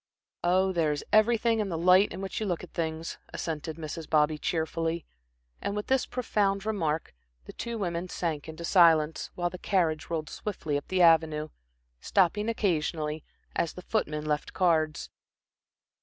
"Oh, there is everything in the light in which you look at things," assented Mrs. Bobby, cheerfully. And with this profound remark, the two women sank into silence, while the carriage rolled swiftly up the Avenue, stopping occasionally, as the footman left cards.